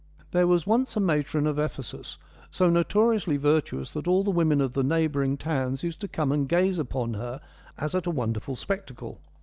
' There was once a matron of Ephesus so notoriously virtuous that all the women of the neighbouring towns used to come and gaze upon her as at a wonderful spectacle.'